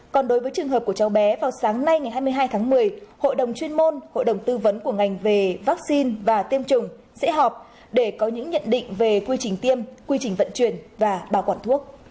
còn đối với trường hợp của cháu bé vào sáng nay ngày hai mươi hai tháng một mươi hội đồng chuyên môn hội đồng tư vấn của ngành về vaccine và tiêm chủng sẽ họp để có những nhận định về quy trình tiêm quy trình vận chuyển và bảo quản thuốc